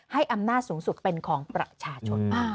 ให้อำนาจสูงสุดเป็นของประชาชน